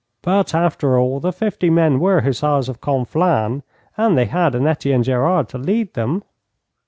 But after all, the fifty men were Hussars of Conflans, and they had an Etienne Gerard to lead them.